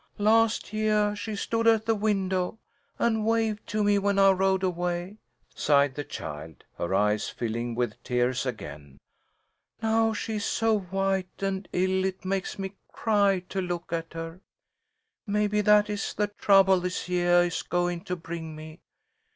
"Last yeah she stood at the window and waved to me when I rode away," sighed the child, her eyes filling with tears again. "Now she's so white and ill it makes me cry to look at her. Maybe that is the trouble this yeah is goin' to bring me.